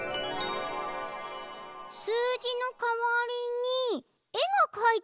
すうじのかわりにえがかいてある。